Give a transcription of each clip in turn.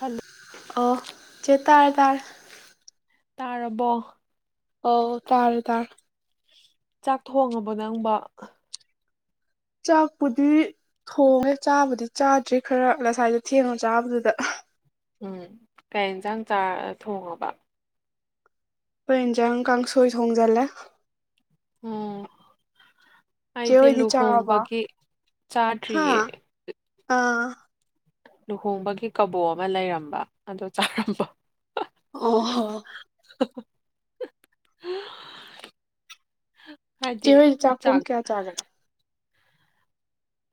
Hello ꯑꯣ ꯆꯦ ꯇꯥꯔꯦ ꯇꯥꯔꯦ ꯇꯥꯔꯕꯣ ꯑꯧ ꯇꯥꯔꯦ ꯇꯥꯔꯦ ꯆꯥꯛ ꯊꯣꯡꯉꯕ ꯅꯪꯕꯣ ꯆꯥꯛꯄꯨꯗꯤ ꯊꯣꯡꯉꯦ ꯆꯥꯕꯨꯗꯤ ꯆꯥꯗ꯭ꯔꯤ ꯈꯔ ꯉꯁꯥꯏꯗ ꯊꯦꯡꯅ ꯆꯥꯕꯗꯨꯗ ꯎꯝ ꯀꯩ ꯏꯟꯁꯥꯡ ꯆꯥ ꯑꯥ ꯊꯣꯡꯉꯥꯕ ꯈꯣꯢ ꯍꯤꯟꯖꯥꯡ ꯀꯥꯡꯁꯣꯏ ꯊꯣꯡꯖꯜꯂꯦ ꯑꯣ ꯆꯦ ꯑꯩꯗꯤ ꯑꯣꯏꯗꯤ ꯆꯥꯔꯕꯣ ꯂꯨꯍꯣꯡꯕꯒꯤ ꯆꯥꯗ꯭ꯔꯤꯌꯦ ꯍꯥꯥ ꯑꯥ ꯂꯨꯍꯣꯡꯕꯒꯤ ꯀꯥꯕꯣꯛ ꯑꯃ ꯂꯩꯔꯝꯕ ꯑꯗꯣ ꯆꯥꯔꯝꯕꯥ ꯑꯣ ꯍꯣ [unintelligible] ꯆꯦ ꯍꯥꯏꯗꯤ ꯍꯣꯏꯗꯤ ꯄꯨꯡ ꯆꯥꯛ ꯀꯌꯥ ꯆꯥꯒꯦ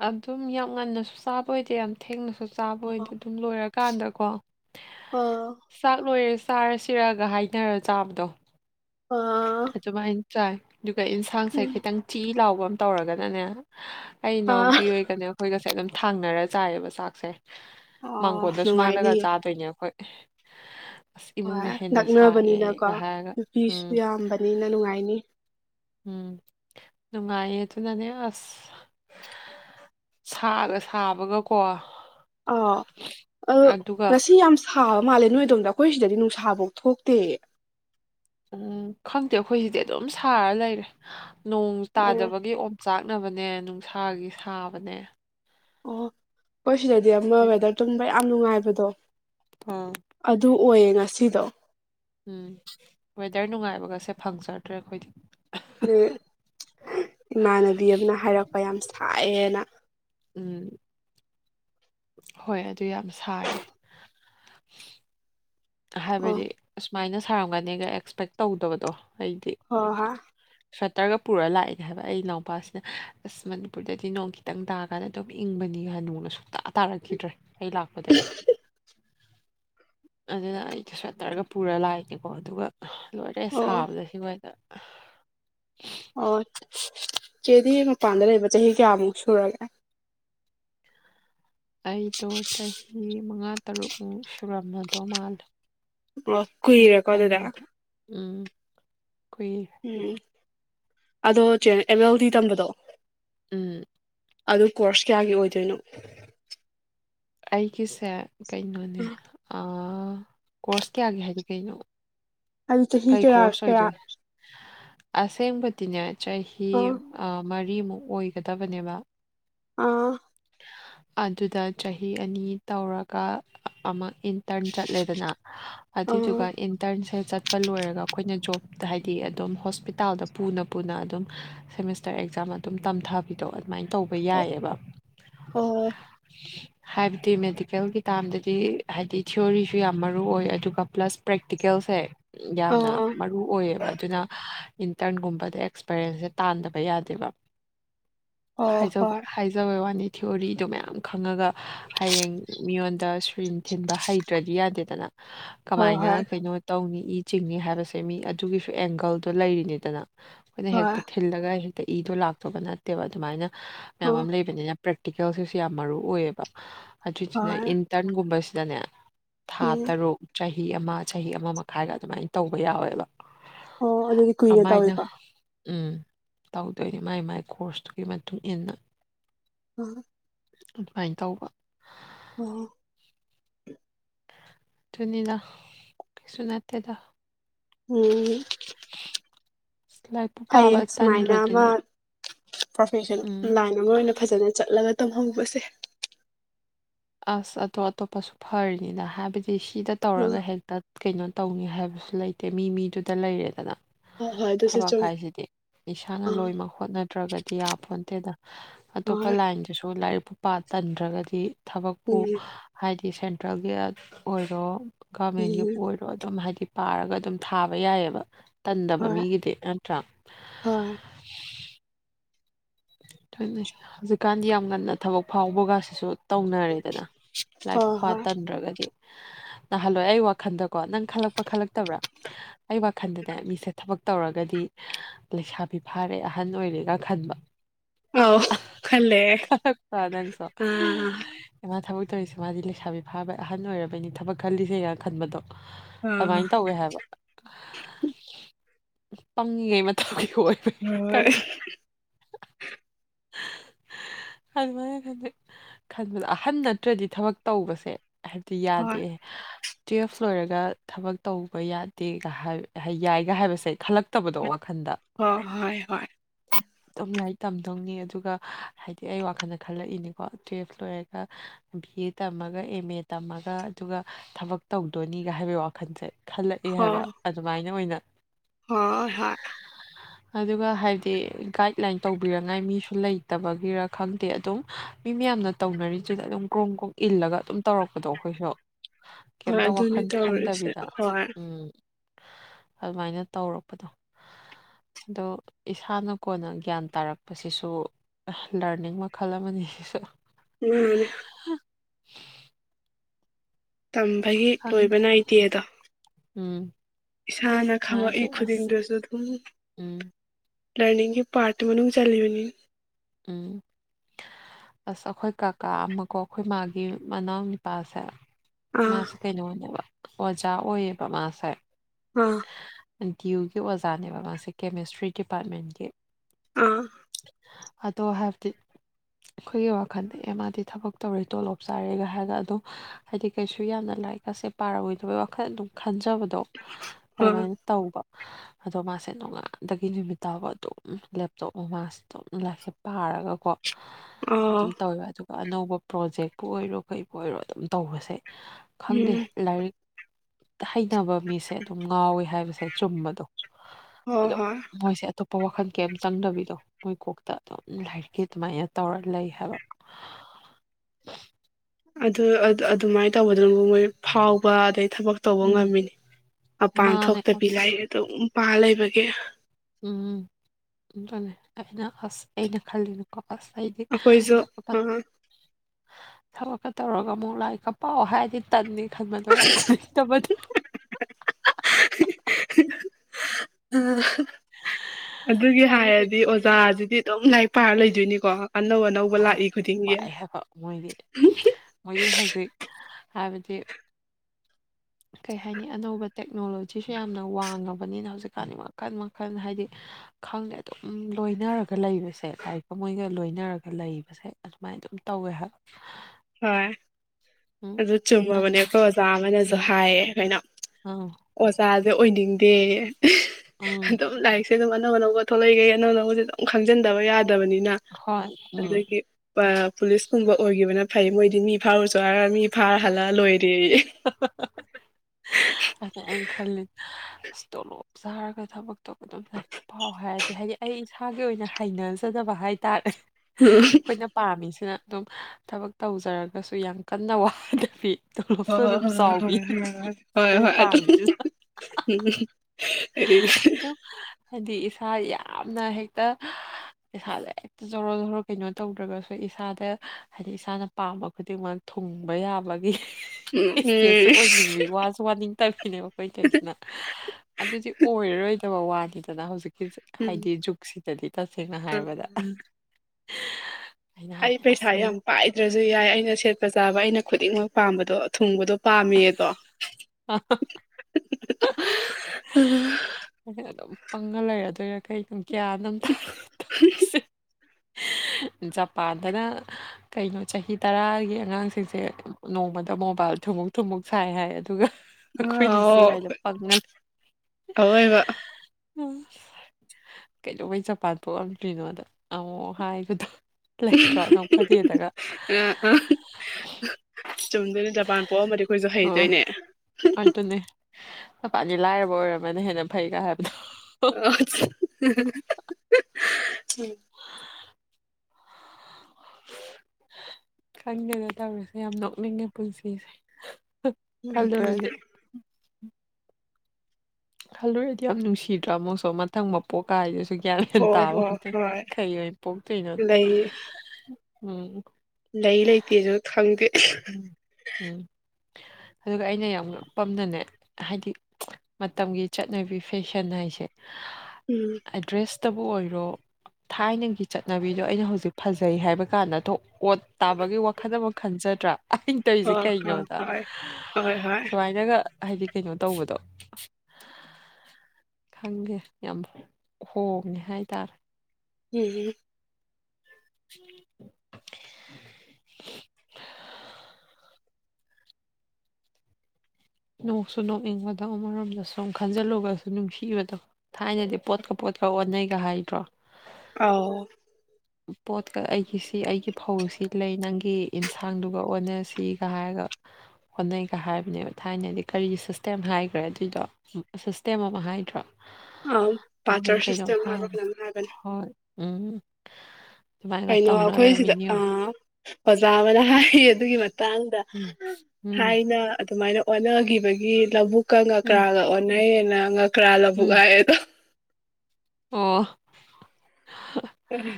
ꯑꯗꯨꯝ ꯌꯥꯝ ꯉꯟꯅꯁꯨ ꯆꯥꯕ ꯑꯣꯏꯗꯦ ꯌꯥꯝ ꯊꯦꯡꯅꯁꯨ ꯆꯥꯕ ꯑꯣ ꯑꯣꯏꯗꯦ ꯑꯗꯨꯝ ꯂꯣꯏꯔ ꯀꯥꯟꯗꯀꯣ ꯑꯥ ꯆꯥꯛ ꯂꯣꯏꯔꯦ ꯆꯥꯔ ꯁꯤꯔꯒ ꯍꯥꯏꯅꯔ ꯆꯥꯕꯗꯣ ꯑꯥ ꯑꯗꯨꯃꯥꯏꯅ ꯆꯥꯏ ꯑꯗꯨꯒ ꯢꯟꯁꯥꯡꯁꯦ ꯎꯝ ꯈꯤꯇꯪ ꯆꯤ ꯂꯥꯎꯕ ꯑꯃ ꯇꯧꯔꯒꯅꯅꯦ ꯑꯩ ꯑꯥ ꯏꯅꯥꯎꯄꯤ ꯍꯣꯏꯒꯅꯦ ꯑꯩꯈꯣꯏꯒꯁꯦ ꯑꯗꯨꯝ ꯊꯥꯡꯅꯔ ꯆꯥꯏꯑꯦꯕ ꯆꯥꯛꯁꯦ ꯑꯣ ꯃꯥꯡꯒꯣꯟꯗ ꯁꯨꯃꯥꯡꯗꯒ ꯅꯨꯡꯉꯥꯏꯅꯤꯌꯦ ꯆꯥꯗꯣꯏꯅꯦ ꯑꯩꯈꯣꯏ ꯑꯁ ꯏꯃꯨꯡꯅ ꯍꯣꯏ ꯍꯦꯟꯅ ꯅꯛꯅꯥꯕꯅꯤꯅꯀꯣ ꯁꯥꯏꯌꯦꯒ ꯍꯥꯏꯔꯒ ꯅꯨꯄꯤꯁꯨ ꯎꯝ ꯌꯥꯝꯕꯅꯤꯅ ꯅꯨꯡꯉꯥꯏꯅꯤ ꯎꯝ ꯅꯨꯡꯉꯥꯏꯌꯦ ꯑꯗꯨꯅꯅꯦ ꯑꯁ ꯁꯥꯒ ꯁꯥꯕꯒꯀꯣ ꯑꯥ ꯑꯗꯣ ꯑꯗꯨꯒ ꯉꯁꯤ ꯌꯥꯝ ꯁꯥꯕ ꯃꯥꯜꯂꯦ ꯅꯣꯏ ꯑꯗꯣꯝꯗ ꯑꯩꯈꯣꯏ ꯁꯤꯗꯗꯤ ꯅꯨꯡꯁꯥꯐꯧ ꯊꯣꯛꯇꯦ ꯎꯝ ꯈꯪꯗꯦ ꯑꯩꯈꯣꯏꯁꯤꯗꯤ ꯑꯗꯨꯝ ꯁꯥꯔ ꯂꯩꯔꯦ ꯅꯣꯡ ꯑꯣ ꯇꯥꯗꯕꯒꯤ ꯑꯣꯝ ꯆꯥꯛꯅꯕꯅꯦ ꯅꯨꯡꯁꯥꯒꯤ ꯁꯥꯕꯅꯦ ꯑꯣ ꯑꯩꯈꯣꯏ ꯁꯤꯗꯗꯤ ꯑꯃ ꯑꯗꯩ ꯋꯦꯗꯔ ꯇꯨꯝꯕ ꯌꯥꯝ ꯅꯨꯡꯉꯥꯏꯕꯗꯣ ꯑꯥ ꯑꯗꯨ ꯑꯣꯏꯌꯦ ꯉꯁꯤꯗꯣ ꯎꯝ ꯋꯦꯗꯔ ꯅꯨꯡꯉꯥꯏꯕꯒꯁꯦ ꯐꯪꯖꯗ꯭ꯔꯦ ꯑꯩꯈꯣꯏꯗꯤ ꯑꯗꯩ ꯏꯃꯥꯟꯅꯕꯤ ꯑꯃꯅ ꯍꯥꯏꯔꯛꯄ ꯌꯥꯝ ꯁꯥꯏꯌꯦꯅ ꯎꯝ ꯍꯣꯏ ꯑꯗꯨ ꯌꯥꯝ ꯁꯥꯏꯌꯦ ꯑꯣ ꯍꯥꯏꯕꯗꯤ ꯑꯁꯨꯃꯥꯏꯅ ꯁꯥꯔꯝꯒꯅꯤꯒ ꯑꯦꯛꯁꯄꯦꯛ ꯇꯧꯗꯕꯗꯣ ꯑꯩꯗꯤ ꯍꯣ ꯍꯣꯢ ꯁ꯭ꯋꯦꯇꯔꯒ ꯄꯨꯔ ꯂꯥꯛꯑꯦꯅꯦ ꯍꯥꯏꯕ ꯑꯩ ꯏꯅꯥꯎꯄꯥꯁꯤꯅ ꯑꯁ ꯃꯅꯤꯄꯨꯔꯗꯗꯤ ꯅꯣꯡ ꯈꯤꯇꯪ ꯇꯥꯔꯀꯥꯟꯗ ꯑꯗꯨꯝ ꯏꯪꯕꯅꯤ ꯅꯣꯡꯅ ꯁꯨꯛꯇꯥ ꯇꯥꯔꯛꯈꯤꯗ꯭ꯔꯦ ꯑꯩ ꯂꯥꯛꯄꯗꯒꯤ ꯑꯗꯨꯅ ꯑꯩꯁꯨ ꯁ꯭ꯋꯦꯇꯔꯒ ꯄꯨꯔꯥ ꯂꯥꯛꯏꯅꯦꯀꯣ ꯑꯗꯨꯒ ꯂꯣꯏꯔꯦ ꯑꯣ ꯁꯥꯕꯗ ꯁꯤꯋꯥꯏꯗ ꯑꯣ ꯆꯦꯗꯤ ꯃꯄꯥꯟꯗ ꯂꯩꯕ ꯆꯍꯤ ꯀꯌꯥꯃꯨꯛ ꯁꯨꯔꯒꯦ ꯑꯩꯗꯣ ꯆꯍꯤ ꯃꯉꯥ ꯇꯔꯨꯛꯃꯨꯛ ꯁꯨꯔꯝꯃꯥꯗꯧ ꯃꯥꯜꯂꯦ ꯑꯣ ꯑꯩꯅ ꯀꯨꯏꯔꯦꯀꯣ ꯑꯗꯨꯗꯤ ꯈꯟꯕꯗ ꯎꯝ ꯀꯨꯏꯔꯦ ꯎꯝ ꯑꯗꯣ ꯆꯦ ꯑꯦꯝ ꯑꯦꯜ ꯗꯤ ꯇꯝꯕꯗꯣ ꯎꯝ ꯑꯗꯨ ꯀꯣꯔꯁ ꯀꯌꯥꯒꯤ ꯑꯣꯏꯗꯣꯏꯅꯣ ꯑꯩꯒꯤꯁꯦ ꯀꯩꯅꯣꯅꯦ ꯑꯥ ꯀꯣꯔꯁ ꯀꯌꯥꯒꯤ ꯍꯥꯏꯗꯤ ꯀꯩꯅꯣ ꯑꯗꯨ ꯆꯍꯤ ꯀꯩ ꯀꯌꯥ ꯀꯣꯔꯁ ꯀꯌꯥ ꯑꯣꯏꯗꯣꯏ ꯑꯁꯦꯡꯕꯗꯤꯅꯦ ꯆꯍꯤ ꯑꯥ ꯃꯔꯤꯃꯨꯛ ꯑꯣꯏꯒꯗꯕꯅꯦꯕ ꯑꯥ ꯑꯗꯨꯗ ꯆꯍꯤ ꯑꯅꯤ ꯇꯧꯔꯒ ꯑꯃ ꯏꯟꯇꯔꯟ ꯆꯠꯂꯦꯗꯅ ꯑꯥ ꯑꯗꯨꯏꯗꯨꯒ ꯏꯟꯇꯔꯟꯁꯦ ꯆꯠ ꯄ ꯂꯣꯏꯔꯒ ꯑꯩꯈꯣꯏꯅ ꯖꯣꯕꯇ ꯍꯥꯏꯗꯤ ꯑꯗꯨꯝ ꯍꯣꯁꯄꯤꯇꯥꯜꯗ ꯄꯨꯅ ꯄꯨꯅ ꯑꯗꯨꯝ ꯁꯦꯃꯤꯁꯇꯔ ꯑꯦꯛꯖꯥꯝ ꯑꯗꯨꯝ ꯇꯝꯊꯕꯤꯗꯣ ꯑꯗꯨꯃꯥꯏꯅ ꯇꯧꯕ ꯌꯥꯏꯑꯦꯕ ꯑꯣ ꯎꯝ ꯍꯥꯏꯕꯗꯤ ꯃꯦꯗꯤꯀꯦꯜꯒꯤ ꯇꯥꯝꯗꯗꯤ ꯍꯥꯏꯗꯤ ꯊꯤꯑꯣꯔꯤꯁꯨ ꯌꯥꯝ ꯃꯔꯨ ꯑꯣꯏ ꯑꯗꯨꯒ ꯄ꯭ꯂꯁ ꯄ꯭ꯔꯦꯛꯇꯤꯀꯦꯜꯁꯦ ꯌꯥꯝꯅ ꯑꯣ ꯃꯔꯨ ꯑꯣꯏꯌꯦꯕ ꯑꯗꯨꯅ ꯏꯟꯇꯔꯟꯒꯨꯝꯕꯗ ꯑꯦꯛꯁꯄꯔꯤꯌꯦꯟꯁꯁꯦ ꯇꯥꯟꯗꯕ ꯌꯥꯗꯦꯕ ꯑꯣ ꯍꯣꯏ ꯍꯥꯢꯖꯕ [inaudible] [inaudible] [unintelligible] ꯊꯤꯑꯣꯔꯤꯗꯣ ꯃꯌꯥꯝ ꯈꯪꯉꯒ ꯍꯌꯦꯡ ꯃꯤꯉꯣꯟꯗ ꯁꯔꯤꯟ ꯊꯤꯟꯕ ꯍꯩꯇ꯭ꯔꯗꯤ ꯌꯥꯗꯦꯗꯅ [inaudible] ꯍꯣꯏ ꯀꯃꯥꯏꯅ ꯍꯣꯏ ꯀꯩꯅꯣ ꯇꯧꯅꯤ ꯏ ꯆꯤꯡꯅꯤ ꯍꯥꯏꯕꯁꯦ ꯃꯤ ꯑꯗꯨꯒꯤꯁꯨ ꯑꯦꯡꯒꯜꯗꯣ ꯂꯩꯔꯤꯅꯤꯗꯅ ꯑꯗꯨ ꯍꯣꯏ ꯍꯦꯛꯇ ꯊꯤꯜꯂꯒ ꯍꯦꯛꯇ ꯏꯗꯣ ꯂꯥꯛꯇꯣꯕ ꯅꯠꯇꯦꯕ ꯑꯗꯨꯃꯥꯏꯅ ꯃꯌꯥꯝ ꯑꯣ ꯑꯃ ꯂꯩꯕꯅꯤꯅ ꯄ꯭ꯔꯦꯛꯇꯤꯀꯦꯜꯁꯤꯁꯨ ꯌꯥꯝ ꯃꯔꯨ ꯑꯣꯏꯌꯦꯕ ꯑꯗꯨꯏꯗꯨꯅ ꯍꯣꯏ ꯏꯟꯇꯔꯟꯒꯨꯝꯕꯁꯤꯗꯅꯦ ꯊꯥ ꯎꯝ ꯇꯔꯨꯛ ꯆꯍꯤ ꯑꯃ ꯆꯍꯤ ꯑꯃ ꯃꯈꯥꯏꯒ ꯑꯗꯨꯃꯥꯏꯅ ꯇꯧꯕ ꯌꯥꯎꯋꯦꯕ ꯑꯣ ꯑꯗꯨꯗꯤ [inaudible] ꯀꯨꯏꯅ ꯑꯃꯥꯏꯅ ꯇꯧꯋꯤꯀꯣ ꯎꯝ ꯇꯧꯗꯣꯏꯅꯦ ꯃꯥꯏ ꯃꯥꯏ ꯀꯣꯔꯁꯇꯨꯒꯤ ꯃꯇꯨꯡ ꯏꯟꯅ [inaudible] ꯑꯗꯨꯃꯥꯏꯅ ꯇꯧꯕ ꯑꯣ [unintelligible] ꯀꯩꯁꯨ ꯅꯠꯇꯦꯗ [inaudible] [inaudible] ꯂꯥꯏꯛꯄꯨ ꯐꯩꯌꯦ ꯄꯥꯕ ꯁꯨꯃꯥꯏꯅ ꯇꯟꯗ꯭ꯔꯗꯤꯅꯦ ꯑꯃ ꯄ꯭ꯔꯣꯐꯦꯁꯟ ꯎꯝ ꯂꯥꯏꯟ ꯑꯃ ꯑꯣꯏꯅ ꯐꯖꯅ ꯆꯠꯂꯒ ꯇꯝꯍꯧꯕꯁꯦ ꯑꯁ ꯑꯇꯣꯞ ꯑꯇꯣꯞꯄꯁꯨ ꯐꯔꯤꯅꯤꯅ ꯍꯥꯏꯕꯗꯤ ꯁꯤꯗ ꯎꯝ ꯇꯧꯔꯒ ꯍꯦꯛꯇ ꯀꯩꯅꯣ ꯇꯧꯅꯤ ꯍꯥꯏꯕꯁꯨ ꯂꯩꯇꯦ ꯃꯤ ꯃꯤꯗꯨꯗ ꯂꯩꯔꯦꯗꯅ ꯍꯣꯏ ꯍꯣꯏ ꯑꯗꯨꯁꯨ ꯊꯕꯛ ꯆꯨꯝꯃꯤ ꯍꯥꯏꯁꯤꯗꯤ ꯏꯁꯥꯅ ꯑꯥ ꯂꯣꯏꯃꯛ ꯍꯣꯠꯅꯗ꯭ꯔꯒꯗꯤ ꯌꯥꯄꯣꯟꯇꯦꯗ ꯑꯇꯣꯞꯄ ꯍꯣꯏ ꯂꯥꯏꯟꯗꯁꯨ ꯂꯥꯏꯔꯤꯛꯄꯨ ꯄꯥ ꯇꯟꯗ꯭ꯔꯒꯗꯤ ꯊꯕꯛꯄꯨ ꯎꯝ ꯍꯥꯏꯗꯤ ꯁꯦꯟꯇ꯭ꯔꯦꯜꯒꯤ ꯑꯣꯏꯔꯣ ꯎꯝ ꯒꯃꯦꯟꯒꯤꯕꯨ ꯑꯣꯏꯔꯣ ꯑꯗꯨꯝ ꯍꯥꯏꯗꯤ ꯄꯥꯔꯒ ꯑꯗꯨꯝ ꯊꯥꯕ ꯌꯥꯏꯌꯦꯕ ꯇꯟꯗꯕ ꯍꯣꯏ ꯃꯤꯒꯤꯗꯤ ꯅꯠꯇ꯭ꯔꯥ ꯍꯣꯏ ꯊꯣꯏꯅꯩ ꯍꯧꯖꯤꯛꯀꯥꯟꯗꯤ ꯌꯥꯝ ꯉꯟꯅ ꯊꯕꯛ ꯐꯥꯎꯕꯒꯁꯤꯁꯨ ꯇꯧꯅꯔꯦ ꯗꯅ ꯂꯥꯏꯕꯨ ꯍꯣꯏ ꯄꯥ ꯍꯣꯏ ꯇꯟꯗ꯭ꯔꯒꯗꯤ ꯅꯥꯍꯜꯂꯣꯏ ꯑꯩ ꯋꯥꯈꯟꯗꯀꯣ ꯅꯪ ꯈꯜꯂꯛꯄ ꯈꯜꯂꯛꯇꯕ꯭ꯔꯥ ꯑꯩ ꯋꯥꯈꯜꯗꯅꯦ ꯃꯤꯁꯦ ꯊꯕꯛ ꯇꯧꯔꯒꯗꯤ ꯂꯩꯁꯥꯕꯤ ꯐꯥꯔꯦ ꯑꯍꯟ ꯑꯣꯏꯔꯦꯒ ꯈꯟꯕ ꯑꯥꯎ [unintelligible] ꯈꯜꯂꯛꯑꯦ ꯈꯜꯂꯛꯄ꯭ꯔꯥ ꯅꯪꯁꯣ ꯑꯥ [unintelligible] ꯃꯥ ꯊꯕꯛ ꯇꯧꯔꯤꯁꯦ ꯃꯥꯗꯤ ꯂꯩꯁꯥꯕꯤ ꯐꯥꯕꯩ ꯑꯍꯟ ꯑꯣꯏꯔꯕꯩꯅꯤ ꯊꯕꯛ ꯈꯜꯂꯤꯁꯦꯒꯅ ꯈꯟꯕꯗꯣ ꯑꯥ ꯑꯗꯨꯃꯥꯏꯅ ꯇꯧꯋꯦ ꯍꯥꯏꯕ [inaudible] ꯄꯪꯉꯤꯉꯩ ꯃꯇꯝꯒꯤ ꯑꯣꯏ [inaudible] ꯑꯗꯨꯃꯥꯏꯅ ꯈꯟꯕꯤ ꯈꯟꯕꯗ ꯑꯍꯟ ꯅꯠꯇ꯭ꯔꯗꯤ ꯊꯕꯛ ꯇꯧꯕꯁꯦ ꯍꯥꯏꯗꯤ ꯌꯥꯗꯦ [unintelligible] ꯇꯨꯋꯦꯜꯐ ꯂꯣꯏꯔꯒ ꯊꯕꯛ ꯇꯧꯕ ꯌꯥꯗꯦꯒ ꯍꯥꯏꯕ ꯌꯥꯏꯕꯒ ꯍꯥꯏꯕꯁꯦ ꯈꯜꯂꯛ ꯇꯕꯗꯣ ꯋꯥꯈꯟꯗ ꯍꯣꯏ ꯑꯗꯨꯝ ꯂꯥꯏꯛ ꯇꯝꯗꯧꯅꯤ ꯑꯗꯨꯒ ꯍꯥꯏꯗꯤ ꯑꯩ ꯋꯥꯈꯜꯗ ꯈꯜꯂꯛꯏꯅꯤꯀꯣ ꯇꯨꯌꯦꯜꯐ ꯂꯣꯏꯔꯒ ꯕꯤ ꯑꯦ ꯇꯝꯃꯒ ꯑꯦꯝ ꯑꯦ ꯇꯝꯃꯒ ꯑꯗꯨꯒ ꯊꯕꯛ ꯇꯧꯗꯣꯅꯤꯒ ꯍꯥꯏꯕꯒꯤ ꯋꯥꯈꯜꯁꯦ ꯈꯜꯂꯛꯏ ꯍꯣ ꯍꯥꯏꯕ ꯑꯗꯨꯃꯥꯏꯅ ꯑꯣꯏꯅ [unintelligible] ꯍꯣꯏ ꯑꯗꯨꯒ ꯍꯥꯏꯕꯗꯤ ꯒꯥꯏꯠꯂꯥꯏꯟ ꯇꯧꯕꯤꯔꯉꯥꯏ ꯃꯤꯁꯨ ꯂꯩꯇꯕꯒꯤꯔ ꯈꯪꯗꯦ ꯑꯗꯨꯝ ꯃꯤ ꯃꯌꯥꯝꯅ ꯇꯧꯅꯔꯤꯁꯤꯗ ꯑꯗꯨꯝ ꯒ꯭ꯔꯣꯡ ꯒ꯭ꯔꯣꯡ ꯏꯜꯂꯒ ꯑꯗꯨꯝ ꯇꯧꯔꯛꯄꯗꯣ ꯑꯩꯈꯣꯏꯁꯨ ꯍꯣꯏ ꯀꯩꯝꯇ ꯑꯗꯨꯅꯤ ꯋꯥꯈꯜ ꯇꯧꯔꯤꯁꯦ ꯈꯟꯗꯕꯤꯗ ꯍꯣꯏ ꯎꯝ ꯑꯗꯨꯃꯥꯏꯅ ꯇꯧꯔꯥꯛꯄꯗꯣ ꯑꯗꯣ ꯏꯁꯥꯅ ꯀꯣꯟꯅ ꯒ꯭ꯌꯥꯟ ꯇꯥꯔꯛꯄꯁꯤꯁꯨ ꯑ ꯂꯔꯅꯤꯡ ꯃꯈꯜ ꯑꯃꯅꯤ ꯁꯤꯁꯨ꯫ [unintelligible] ꯇꯝꯕꯒꯤ ꯈꯪꯗꯦ ꯂꯣꯏꯕ ꯅꯥꯏꯗꯦꯗꯣ ꯎꯝ ꯏꯁꯥꯅ ꯈꯪꯉꯥꯛꯏ ꯅꯥꯏꯗꯦ ꯑꯁ ꯈꯨꯗꯤꯡꯗꯨꯁꯨ ꯑꯗꯨꯝ ꯎꯝ ꯂꯔꯅꯤꯡꯒꯤ ꯄꯥꯔꯠꯇꯨ ꯃꯅꯨꯡ ꯆꯜꯂꯤꯕꯅꯤꯅꯦ ꯎꯝ ꯑꯁ ꯑꯩꯈꯣꯏ ꯀꯥꯀꯥ ꯑꯃꯀꯣ ꯑꯩꯈꯣꯏ ꯃꯥꯒꯤ ꯃꯅꯥꯎ ꯅꯨꯄꯥꯁꯦ ꯑꯥ ꯃꯥꯁꯦ ꯀꯩꯅꯣꯅꯦꯕ ꯑꯣꯖꯥ ꯑꯣꯏꯌꯦꯕ ꯃꯥꯁꯦ [unintelligible] ꯗꯤ ꯌꯨꯒꯤ ꯑꯣꯖꯥꯅꯦꯕ ꯃꯥꯁꯦ ꯀꯦꯃꯦꯁꯇ꯭ꯔꯤ ꯗꯤꯄꯥꯔꯠꯃꯦꯟꯒꯤ꯫ ꯑꯥ ꯑꯗꯣ ꯍꯥꯏꯕꯗꯤ ꯑꯩꯈꯣꯏꯒꯤ ꯋꯥꯈꯜꯗ ꯑꯦ ꯃꯥꯗꯤ ꯊꯕꯛ ꯇꯧꯔꯦ ꯇꯣꯂꯣꯞ ꯆꯥꯔꯦꯒ ꯍꯥꯏꯔꯒ ꯑꯗꯨꯝ ꯍꯥꯏꯗꯤ ꯀꯩꯁꯨ ꯌꯥꯝꯅ ꯂꯥꯏꯔꯤꯛ ꯀꯥꯁꯦ ꯄꯥꯔꯝꯃꯣꯏꯗꯕꯩ ꯋꯥꯈꯜ ꯑꯗꯨꯝ ꯈꯟꯖꯕꯗꯣ ꯍꯣꯏ ꯑꯗꯨꯃꯥꯏꯅ ꯇꯧꯕ ꯑꯗꯣ ꯃꯥꯁꯦ ꯅꯣꯡꯉꯥꯟꯗꯒꯤ ꯅꯨꯃꯤꯠ ꯇꯥꯕꯧ ꯑꯗꯨꯝ ꯂꯦꯞꯇꯣꯞ ꯃꯃꯥꯡꯁꯤꯗ ꯑꯗꯨꯝ ꯂꯥꯏꯔꯤꯛꯁꯦ ꯄꯥꯔꯒꯀꯣ ꯑꯗꯨꯝ ꯑꯣ ꯇꯧꯋꯦꯕ ꯑꯗꯨ ꯑꯅꯧꯕ ꯄ꯭ꯔꯣꯖꯦꯛꯄꯨ ꯑꯣꯏꯔꯣ ꯀꯩꯕꯨꯨ ꯑꯣꯏꯔꯣ ꯑꯗꯨꯝ ꯇꯧꯕꯁꯦ ꯈꯪꯗꯦ ꯎꯝ ꯂꯥꯏꯔꯤꯛ ꯍꯩꯅꯕ ꯃꯤꯁꯦ ꯑꯗꯨꯝ ꯉꯥꯎꯋꯦ ꯍꯥꯏꯕꯁꯦ ꯆꯨꯝꯕꯗꯣ꯫ ꯍꯣꯏ ꯑꯗꯣ ꯍꯣꯏ ꯃꯣꯏꯁꯦ ꯑꯇꯣꯞꯄ ꯋꯥꯈꯜ ꯀꯩꯝ ꯆꯪꯗꯕꯤꯗꯣ ꯃꯣꯏ ꯀꯣꯛꯇ ꯑꯗꯨꯝ ꯂꯥꯏꯔꯤꯛꯀꯤ ꯑꯗꯨꯃꯥꯏꯅ ꯇꯧꯔ ꯂꯩ ꯍꯥꯏꯕ꯫ ꯑꯗꯨ ꯑꯗꯨ-ꯑꯗꯨꯃꯥꯏꯅ ꯇꯧꯕꯗꯨꯅꯕꯨ ꯃꯣꯏ ꯐꯥꯎꯕ ꯑꯗꯩ ꯊꯕꯛ ꯇꯧꯕ ꯎꯝ ꯉꯝꯃꯤꯅꯦ ꯃꯄꯥꯟ ꯃꯥꯅꯦ ꯊꯣꯛꯇꯕꯤ ꯑꯁ ꯂꯥꯏꯔꯤꯛ ꯗꯨꯝ ꯄꯥ ꯂꯩꯕꯒꯤ꯫ ꯎꯝ [unintelligible] ꯑꯩꯅ ꯑꯁ ꯑꯩꯅ ꯈꯜꯂꯨꯏꯕ ꯀꯣ ꯑꯁ ꯑꯩꯗꯤ ꯑꯩꯈꯣꯏꯁꯨ ꯊꯕꯛꯀ ꯑ ꯊꯕꯛꯀ ꯇꯧꯔꯒ ꯑꯃꯨꯛ ꯂꯥꯏꯔꯤꯛꯀ ꯄꯥꯎ ꯍꯥꯏꯔꯗꯤ ꯇꯟꯅꯤ ꯈꯟꯕꯗꯣ ꯌꯥꯝ ꯄꯥꯅꯤꯡꯗꯕꯗꯣ꯫ [unintelligible] ꯑꯗꯨꯒꯤ ꯍꯥꯏꯕꯗꯤ ꯍꯥꯏꯔꯗꯤ ꯑꯣꯖꯥꯁꯤꯗꯤ ꯑꯗꯨꯝ ꯂꯥꯏꯔꯤꯛ ꯄꯔꯥ ꯂꯩꯗꯣꯏꯅꯤꯀꯣ ꯑꯅꯧ ꯑꯅꯧ ꯂꯧꯕ ꯍꯣꯏ ꯂꯥꯛꯏ ꯈꯨꯗꯤꯡꯒꯤ꯫ ꯄꯥꯛꯑꯦ ꯍꯥꯏꯕ ꯃꯣꯏꯗꯤ ꯃꯣꯏꯗꯤ ꯍꯧꯖꯤꯛ ꯍꯥꯏꯕꯗ ꯀꯩ ꯍꯥꯏꯅꯤ ꯑꯅꯧꯕ ꯇꯦꯛꯅꯣꯂꯣꯖꯤꯁꯨ ꯌꯥꯝꯅ ꯋꯥꯡꯉꯕꯅꯤꯅ ꯍꯧꯖꯤꯛꯀꯥꯟꯗꯤ ꯃꯈꯟ ꯃꯈꯟ ꯍꯥꯏꯗꯤ ꯈꯪꯗꯦ ꯑꯗꯨꯝ ꯂꯣꯏꯅꯔꯒ ꯂꯩꯕꯁꯦ ꯂꯥꯏꯔꯤꯛꯀ ꯃꯣꯏꯒ ꯂꯣꯏꯅꯔꯒ ꯂꯩꯕꯁꯦ ꯑꯗꯨꯃꯥꯏꯅ ꯑꯗꯨꯝ ꯇꯧꯋꯦ ꯍꯥꯏꯕ꯫ ꯍꯣꯏ ꯎꯝ ꯑꯗꯨ ꯆꯨꯝꯃꯕꯅꯦ ꯑꯩꯈꯣꯏ ꯑꯣꯖꯥ ꯑꯃꯅꯁꯨ ꯎꯝ ꯍꯥꯏꯌꯦ ꯑꯩꯈꯣꯏꯅ ꯑꯥ ꯑꯣꯖꯥꯁꯦ ꯑꯣꯏꯅꯤꯡꯗꯦꯌꯦ ꯎꯝ ꯑꯗꯨꯝ ꯂꯥꯏꯔꯤꯛ ꯀꯩꯅꯣꯝ ꯑꯅꯧ ꯑꯅꯧꯕ ꯊꯣꯛꯂꯛꯏꯒꯩ ꯑꯅꯧ ꯑꯅꯧꯕꯁꯦ ꯑꯗꯨꯝ ꯈꯪꯖꯤꯟꯗꯕ ꯌꯥꯗꯕꯅꯤꯅ ꯍꯣꯏ ꯎꯝ ꯑꯗꯒꯤ ꯄꯥ ꯄꯨꯂꯤꯁꯀꯨꯝꯕ ꯑꯣꯏꯈꯤꯕꯅ ꯐꯩ ꯃꯣꯏꯗꯤ ꯃꯤ ꯐꯥꯔꯨꯆꯣ ꯍꯥꯏꯔ ꯃꯤ ꯐꯔꯥ ꯍꯜꯂꯛꯑ ꯂꯣꯏꯔꯦꯌꯦ꯫ [unintelligible] ꯑꯗ ꯑꯩꯅ ꯈꯜꯂꯤ ꯑꯁ ꯇꯣꯂꯣꯞ ꯆꯥꯔꯒ ꯊꯕꯛ ꯇꯧꯕ ꯑꯗꯨꯝ [unintelligible] ꯐꯥꯎ ꯍꯥꯏꯔꯗꯤ ꯍꯥꯏꯗꯤ ꯑꯩ ꯏꯁꯥꯁꯤ ꯑꯣꯏꯅ ꯍꯩꯅꯖꯗꯕ ꯍꯥꯏꯇꯥꯔꯦ [unintelligible] ꯑꯩꯈꯣꯏꯅ ꯄꯥꯝꯃꯤꯁꯤꯅ ꯑꯗꯨꯝ ꯊꯕꯛ ꯇꯧꯖꯔꯒꯁꯨ ꯌꯥꯝ ꯀꯟꯅ ꯋꯥꯗꯕꯤ ꯍꯣꯏ ꯇꯣꯂꯣꯞꯁꯨ ꯑꯗꯨꯝ ꯆꯥꯎꯕꯤ [unintelligible] ꯍꯣꯏ ꯑꯩꯈꯣꯏꯅ ꯍꯣꯏ ꯑꯗꯨ ꯄꯥꯝꯃꯤꯁꯤꯅ [unintelligible] ꯑꯗꯨꯝ ꯍꯥꯏꯗꯤ ꯏꯁꯥ ꯌꯥꯝꯅ ꯍꯦꯛꯇ ꯏꯁꯥꯗ ꯍꯦꯛꯇ ꯖꯣꯔꯣ ꯖꯣꯔꯣ ꯀꯩꯅꯣ ꯇꯧꯗ꯭ꯔꯒꯁꯨ ꯏꯁꯥꯗ ꯍꯥꯏꯗꯤ ꯏꯁꯥꯅ ꯄꯥꯝꯕ ꯈꯨꯗꯤꯡꯃꯛ ꯊꯨꯡꯕ ꯌꯥꯕꯒꯤ ꯏꯁꯇꯦꯁꯗꯨ ꯑꯣꯏꯅꯤꯡꯕꯩ ꯋꯥꯁꯨ ꯋꯥꯅꯤꯡ ꯇꯕꯤꯅꯦꯕ ꯑꯩꯈꯣꯏ ꯇꯩꯋꯤꯁꯤꯅ ꯑꯗꯨꯗꯤ ꯑꯣꯏꯔꯔꯣꯏꯗꯕ ꯋꯥꯅꯤꯗꯅ ꯍꯧꯖꯤꯛꯀꯤꯁꯦ ꯎꯝ ꯎꯝ ꯎꯝ ꯍꯥꯏꯗꯤ ꯖꯨꯛꯁꯤꯗꯗꯤ ꯇꯁꯦꯡꯅ ꯎꯝ ꯍꯥꯏꯔꯕꯗ ꯑꯩꯅ ꯑꯩ ꯍꯥꯏꯅ ꯑꯁ ꯄꯩꯁꯥ ꯃꯤ ꯌꯥꯝ ꯄꯥꯏꯗ꯭ꯔꯁꯨ ꯌꯥꯏ ꯑꯩꯅ ꯁꯦꯠꯄ ꯆꯥꯕ ꯑꯩꯅ ꯈꯨꯗꯤꯡꯃꯛ ꯄꯥꯝꯕꯗꯣ ꯊꯨꯡꯕꯗꯣ ꯄꯥꯝꯃꯦꯌꯦꯗꯣ [unintelligible] ꯑꯩꯈꯣꯏꯅ ꯑꯗꯨꯝ ꯄꯪꯉ ꯂꯩꯔꯗꯣꯏꯔꯥ ꯀꯩꯅꯣ ꯒ꯭ꯌꯥꯟ ꯑꯝ ꯇꯥꯗꯦ ꯇꯧꯔꯤꯁꯦ ꯖꯄꯥꯟꯗꯅ ꯀꯩꯅꯣ ꯆꯍꯤ ꯇꯔꯥꯒꯤ ꯑꯉꯥꯡꯁꯤꯡꯁꯦ ꯅꯣꯡꯃꯗ ꯃꯣꯕꯥꯏꯜ ꯊꯨꯝꯃꯨꯛ ꯊꯨꯝꯃꯨꯛ ꯁꯥꯏ ꯍꯥꯏ ꯑꯗꯨꯒ ꯑꯩꯈꯣꯏꯅ ꯁꯤꯋꯥꯏꯗ ꯄꯪꯉꯥ ꯑꯑꯣꯏꯕ ꯎ ꯀꯩꯗꯧꯉꯩ ꯖꯄꯥꯟ ꯊꯣꯛꯣꯛꯑꯝꯗ꯭ꯔꯤꯅꯣꯗ ꯑꯃꯨꯛ ꯍꯥꯏꯕꯗꯣ ꯂꯩꯇ꯭ꯔꯣ ꯅꯣꯛꯐꯗꯦꯗꯒ ꯑ ꯆꯨꯝꯗꯣꯏꯅꯦ ꯖꯄꯥꯟ ꯄꯣꯛꯑꯝꯃꯗꯤ ꯑꯩꯈꯣꯏꯁꯨ ꯑꯣ ꯍꯩꯗꯣꯏꯅꯦ ꯑꯗꯨꯅꯦ ꯃꯄꯥꯥꯟꯅꯤ ꯂꯥꯏꯔꯕ ꯑꯣꯏꯔꯝꯃꯦꯅ ꯍꯦꯟꯅ ꯐꯩꯒ ꯍꯥꯏꯕꯗꯣ ꯑ [unintelligible] [unintelligible] ꯈꯪꯒꯦꯗ ꯇꯧꯔꯤꯁꯦ ꯌꯥꯝ ꯅꯣꯛꯅꯤꯡꯉꯦ ꯄꯨꯟꯁꯤꯁꯦ ꯈꯜꯂꯨꯔꯗꯤ [unintelligible] ꯈꯜꯂꯨꯔꯗꯤ ꯌꯥꯝ ꯅꯨꯡꯁꯤꯗ꯭ꯔꯥ ꯑꯃꯨꯛꯁꯨ ꯃꯊꯪ ꯃ ꯄꯣꯛꯀꯥꯏꯗꯁꯨ ꯒ꯭ꯌꯥꯟ ꯃꯦꯟ ꯍꯣꯏ ꯇꯥꯕ ꯍꯣꯏ ꯕꯣꯇꯦ ꯍꯣꯏ ꯀꯩ ꯑꯣꯏꯅ ꯄꯣꯛꯇꯣꯏꯅꯣꯗ ꯂꯩ ꯎꯝ ꯂꯩ ꯂꯩꯇꯦꯁꯨ ꯈꯪꯗꯦ ꯎꯝ ꯎꯝ ꯑꯗꯨꯒ ꯑꯩꯅ ꯌꯥꯝꯅ ꯉꯛ ꯄꯝꯅꯅꯦ ꯍꯥꯏꯗꯤ ꯃꯇꯝꯒꯤ ꯆꯠꯅꯕꯤ ꯐꯦꯁꯟ ꯍꯥꯏꯁꯦ ꯎꯝ ꯑꯦꯗ꯭ꯔꯦꯁꯇꯕꯨ ꯑꯣꯏꯔꯣ ꯊꯥꯏꯅꯒꯤ ꯆꯠꯅꯕꯤꯗꯣ ꯑꯩꯅ ꯍꯧꯖꯤꯛ ꯐꯖꯩ ꯍꯥꯏꯕ ꯀꯥꯟꯗ ꯑꯣꯠ ꯇꯥꯕꯒꯤ ꯋꯥꯈꯜ ꯑꯃ ꯈꯟꯖ ꯇ꯭ꯔꯥ ꯑꯩꯅ ꯇꯧꯔꯤꯁꯦ ꯍꯣꯏ ꯍꯣꯏ ꯀꯩꯅꯣꯗ ꯍꯣꯏ ꯍꯣꯏ ꯍꯣꯏ ꯁꯨꯃꯥꯏꯅꯒ ꯍꯥꯏꯗꯤ ꯀꯩꯅꯣ ꯇꯧꯕꯗꯣ ꯈꯪꯗꯦ ꯌꯥꯝ ꯍꯣꯡꯉꯦ ꯍꯥꯏꯇꯥꯔꯦ ꯎꯝ [inaudible] ꯅꯣꯛꯁꯨ ꯅꯣꯛꯅꯤꯡꯕꯗꯣ ꯑꯃꯔꯣꯝꯗ ꯁꯨꯝ ꯈꯟꯖꯤꯜꯂꯒꯁꯨ ꯅꯨꯡꯁꯤꯕꯗꯣ ꯊꯥꯏꯅꯗꯤ ꯄꯣꯠꯀ ꯄꯣꯠꯀ ꯑꯣꯟꯅꯩꯒ ꯍꯥꯏꯗ꯭ꯔꯣ ꯑꯥꯎ ꯄꯣꯠꯀ ꯑꯩꯒꯤꯁꯤ ꯑꯩꯒꯤ ꯐꯧꯁꯤ ꯂꯩ ꯅꯪꯒꯤ ꯑꯦꯟꯁꯥꯡꯗꯨꯒ ꯑꯣꯟꯅꯁꯤꯒ ꯍꯥꯏꯔꯒ ꯍꯣꯠꯅꯩꯒ ꯍꯥꯏꯕꯅꯦꯕ ꯊꯥꯏꯅꯩꯗꯤ ꯀꯔꯤ ꯁꯤꯁꯇꯦꯝ ꯍꯥꯏꯈ꯭ꯔꯦ ꯑꯗꯨꯏꯗꯣ ꯁꯤꯁꯇꯦꯝ ꯑꯃ ꯍꯥꯏꯗ꯭ꯔꯣ ꯑ ꯃꯃꯤꯡ ꯄꯥꯇꯔ ꯀꯩꯅꯣꯝ ꯁꯤꯁꯇꯦꯝ ꯍꯥꯏꯕ꯭ꯔꯥ ꯍꯥꯏꯔ ꯀꯩꯅꯣꯝ ꯍꯥꯏꯕꯅꯦ ꯍꯣꯏ ꯎꯝ ꯍꯝ ꯀꯩꯅꯣ ꯑꯩꯈꯣꯏ ꯁꯤꯗ ꯑ ꯌꯦꯡꯉꯣ ꯑꯣꯖꯥ ꯑꯃꯅ ꯍꯥꯏ ꯑꯗꯨꯒꯤ ꯃꯇꯥꯡꯗ ꯎꯝ ꯎꯝ ꯊꯥꯏꯅ ꯑꯗꯨꯃꯥꯏꯅ ꯑꯣꯟꯅꯈꯤꯕꯒꯤ ꯂꯧꯕꯨꯛꯀ ꯎꯝ ꯉꯥꯀꯔꯥꯒ ꯑꯣꯟꯅꯩꯌꯦꯅ ꯉꯥꯀꯔꯥ ꯂꯧꯕꯨꯛ ꯎꯝ ꯍꯥꯏꯌꯦꯗꯣ ꯑꯣ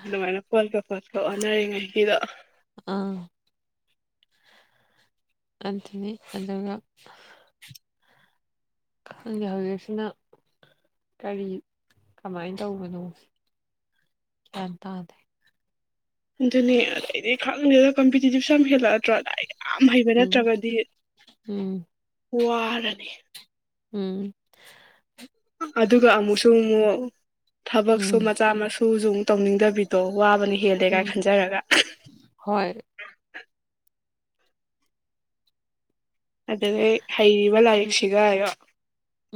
ꯑꯗꯨꯃꯥꯏꯅ ꯄꯣꯠꯀ ꯄꯣꯠꯀ ꯑꯣꯟꯅꯔꯤꯉꯩꯒꯤꯗꯣ ꯎꯝ ꯑꯗꯨꯅꯤ ꯑꯗꯨꯒ ꯈꯪꯗꯦ ꯍꯧꯖꯤꯛꯁꯤꯅ ꯀꯔꯤ ꯀꯃꯥꯏꯅ ꯇꯧꯕꯅꯣ ꯒ꯭ꯌꯥꯟ ꯇꯥꯗꯦ ꯑꯗꯨꯅꯦ ꯑꯩꯗꯤ ꯈꯪꯗꯦꯗ ꯀꯝꯄꯤꯇꯤꯇꯤꯞꯁꯨ ꯌꯥꯝ ꯍꯦꯜꯂꯛꯑꯗꯔ ꯅꯠꯇ꯭ꯔ ꯂꯥꯏꯔꯤꯛ ꯌꯥꯝ ꯍꯩꯕ ꯎꯝ ꯅꯠꯇ꯭ꯔꯒꯗꯤ ꯎꯝ ꯋꯥꯔꯅꯤ ꯎꯝ ꯑꯗꯨꯒ ꯑꯃꯨꯛꯁꯨ ꯑꯁ ꯑꯃꯨꯛ ꯊꯕꯛꯁꯨ ꯎꯝ ꯃꯆꯥ ꯃꯁꯨꯁꯨ ꯇꯧꯅꯤꯡꯗꯕꯤꯗꯣ ꯋꯥꯕꯅ ꯍꯦꯜꯂꯦꯒꯥꯏ ꯎꯝ ꯈꯟꯖꯔꯒ ꯍꯣꯏ ꯑꯗꯨꯗꯒꯤ ꯍꯩꯔꯤꯕ ꯎꯝ ꯂꯥꯏꯔꯤꯛꯁꯤꯒ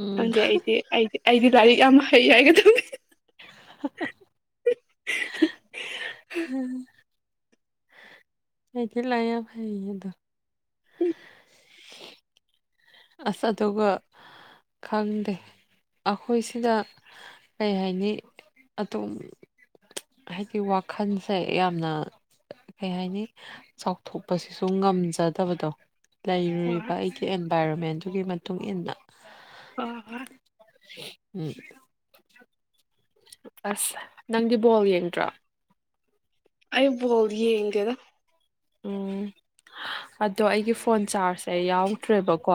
ꯎꯝ ꯑꯩꯗꯤ ꯑꯩꯗꯤ ꯑꯩꯗꯤ ꯂꯥꯏꯔꯤꯛ ꯌꯥꯝ ꯍꯩ ꯍꯥꯏꯒꯗꯝꯅꯤ [unintelligible] ꯍꯥꯝ ꯑꯩꯗꯤ ꯂꯥꯏꯔꯤꯛ ꯌꯥꯝ ꯍꯩꯗꯣ ꯎꯝ [unintelligible] ꯑꯁ ꯑꯗꯨꯒ ꯈꯪꯗꯦ ꯑꯩꯈꯣꯏꯁꯤꯅ ꯀꯩ ꯍꯥꯏꯅꯤ ꯑꯗꯨꯝ ꯍꯥꯏꯗꯤ ꯋꯥꯈꯜꯁꯦ ꯌꯥꯝꯅ ꯀꯩ ꯍꯥꯏꯅꯤ ꯆꯥꯎꯊꯣꯛꯄꯁꯤꯁꯨ ꯉꯝꯖꯗꯕꯗꯣ ꯂꯩꯔꯨꯔꯤꯕ ꯍꯣꯏ ꯑꯩꯒꯤ ꯑꯦꯟꯚꯥꯏꯔꯣꯟꯃꯦꯟꯗꯨꯒꯤ ꯃꯇꯨꯡ ꯏꯟꯅ ꯍꯣꯏ ꯍꯣꯏ ꯎꯝ ꯑꯁ ꯅꯪꯗꯤ ꯕꯣꯜ ꯌꯦꯡꯗ꯭ꯔꯣ ꯑꯩ ꯕꯣꯜ ꯌꯦꯡꯗꯦꯗ ꯎꯝ ꯑꯗꯣ ꯑꯩꯒꯤ ꯐꯣꯟ ꯆꯥꯔꯖꯁꯦ ꯑꯩ ꯌꯥꯎꯗ꯭ꯔꯦꯕꯀꯣ